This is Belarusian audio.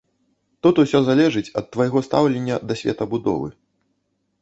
Тут усё залежыць ад твайго стаўлення да светабудовы.